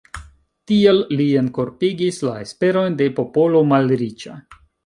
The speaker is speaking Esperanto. Tiel li enkorpigis la esperojn de popolo malriĉa.